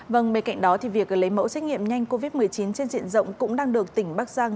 vâng bên cạnh đó việc lấy mẫu xét nghiệm nhanh covid một mươi chín trên diện rộng cũng đang được tỉnh bắc giang